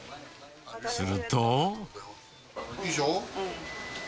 すると。